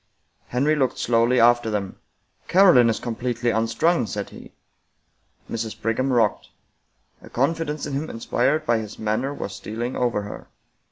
Henry looked slowly after them. " Caroline is completely unstrung," said he. Mrs. Brigham rocked. A confidence in him inspired by his manner was stealing over her.